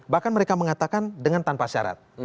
bahkan mereka mengatakan dengan tanpa syarat